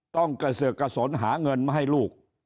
กระเสือกกระสนหาเงินมาให้ลูก